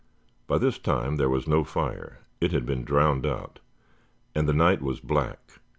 By this time there was no fire. It had been drowned out, and the night was black.